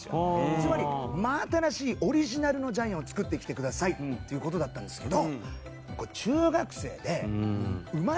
つまり真新しいオリジナルのジャイアンをつくってきてくださいっていう事だったんですけど。